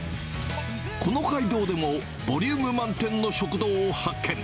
この街道でも、ボリューム満点の食堂を発見。